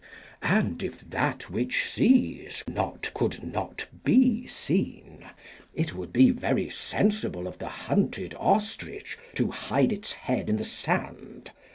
And if that which sees not could not be seen, it would be very sensible of the hunted ostrich to hide its head in the sand.